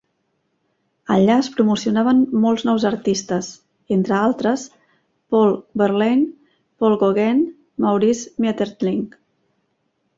Allà es promocionaven molts nous artistes, entre altres, Paul Verlaine, Paul Gauguin i Maurice Maeterlinck.